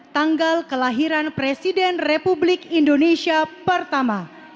tanggal kelahiran presiden republik indonesia pertama